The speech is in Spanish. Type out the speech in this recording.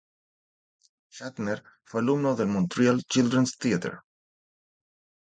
Shatner fue alumno del Montreal Children's Theatre.